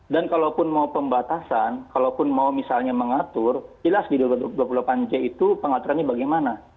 dan kalaupun mau pembatasan kalaupun mau misalnya mengatur jelas di dua puluh delapan j itu pengaturannya bagaimana